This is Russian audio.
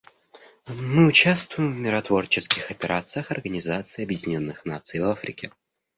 Мы участвуем в миротворческих операциях Организации Объединенных Наций в Африке.